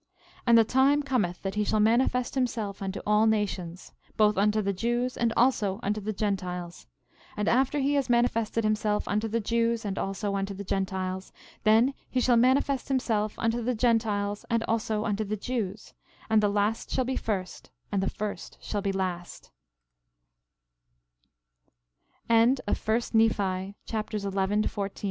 13:42 And the time cometh that he shall manifest himself unto all nations, both unto the Jews and also unto the Gentiles; and after he has manifested himself unto the Jews and also unto the Gentiles, then he shall manifest himself unto the Gentiles and also unto the Jews, and the last shall be first, a